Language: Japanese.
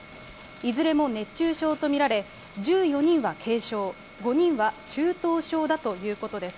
いずれも熱中症と見られ、１４人は軽症、５人は中等症だということです。